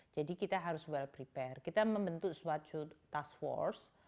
jadi kita harus well prepare kita membentuk swachu task force